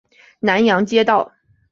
南阳街道